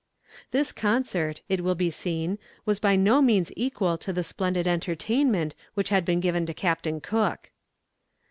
This concert, it will be seen, was by no means equal to the splendid entertainment which had been given to Captain Cook.